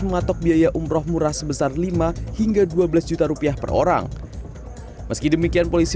mengatok biaya umroh murah sebesar lima hingga dua belas juta rupiah per orang meski demikian polisi